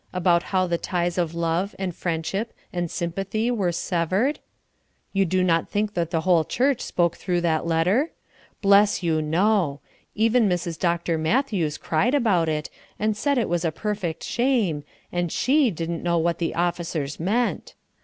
about how the ties of love, and friendship, and sympathy were severed? You do not think that the whole church spoke through that letter? Bless you, no. Even Mrs. Dr. Matthews cried about it, and said it was a perfect shame, and she didn't know what the officers meant.